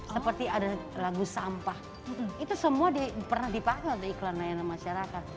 seperti ada lagu sampah itu semua pernah dipakai untuk iklan layanan masyarakat